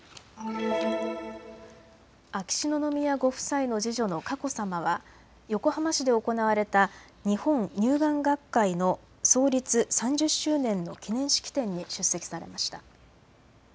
秋篠宮ご夫妻の次女の佳子さまは横浜市で行われた日本乳癌学会の創立３０周年の記念式典に出席されました。